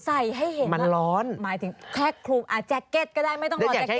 ใส่บ้างมันร้อนหมายถึงแคล็กคลุมแจ็คเก็ตก็ได้ไม่ต้องรอแจ็คเก็ต